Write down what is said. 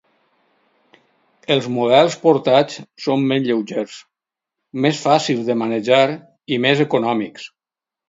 Els models portats són més lleugers, més fàcils de manejar i més econòmics.